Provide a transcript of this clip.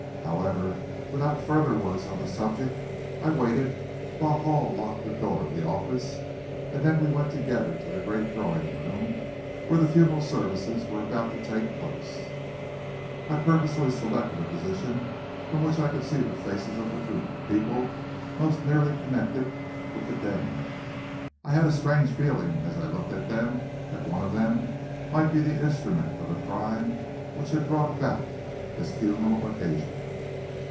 However, without further words on the subject, I waited while Hall locked the door of the office, and then we went together to the great drawing room, where the funeral services were about to take place. I purposely selected a position from which I could see the faces of the group of people most nearly connected with the dead man. I had a strange feeling, as I looked at them, that one of them might be the instrument of the crime which had brought about this funeral occasion.